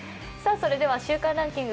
それでは週間ランキング